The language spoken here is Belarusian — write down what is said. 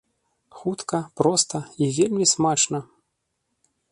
Хутка, проста і вельмі смачна!